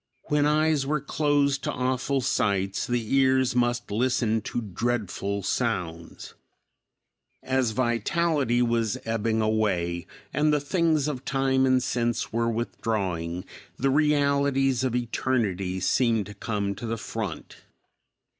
When eyes were closed to awful sights, the ears must listen to dreadful sounds. As vitality was ebbing away, and the things of time and sense were withdrawing, the realities of eternity seemed to come to the front.